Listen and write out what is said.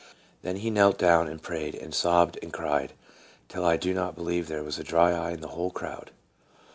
Then he knelt down and prayed, and sobbed and cried till I do not believe there was a dry eye in the whole crowd.